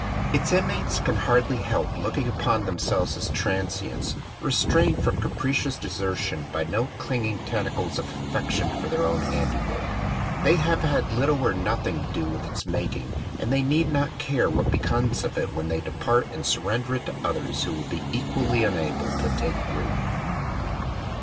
Its inmates can hardly help 55 THE DWELLING OF A DAY DREAM looking upon themselves as transients, re strained from capricious desertion by no cling ing tentacles of affection for their own handi work. They have had little or nothing to do with its making; and they need not care what becomes of it, when they depart and surrender it to others who will be equally unable to take root.